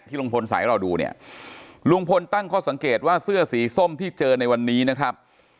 ลุงพลใส่ให้เราดูเนี่ยลุงพลตั้งข้อสังเกตว่าเสื้อสีส้มที่เจอในวันนี้นะครับ